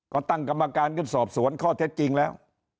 ก็ตั้งกรรมการกันสอบสวนข้อเท็จจริงแล้ว